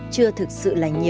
chưa thực sự là nhiều